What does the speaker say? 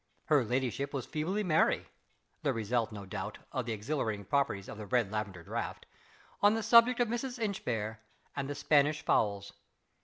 Her ladyship was feebly merry (the result, no doubt, of the exhilarating properties of the red lavender draught) on the subject of Mrs. Inchbare and the Spanish fowls.